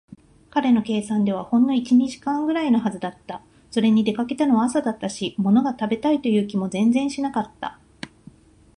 彼の計算ではほんの一、二時間ぐらいのはずだった。それに、出かけたのは朝だったし、ものが食べたいという気も全然しなかった。